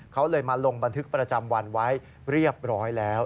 เขาเลยมาลงบันทึกประจำวันไว้เรียบร้อยแล้ว